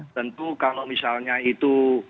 tentu kalau misalnya itu